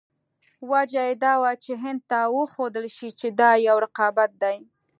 وجه یې دا وه چې هند ته وښودل شي چې دا یو رقابت دی.